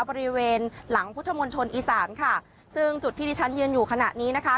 บริเวณหลังพุทธมณฑลอีสานค่ะซึ่งจุดที่ที่ฉันยืนอยู่ขณะนี้นะคะ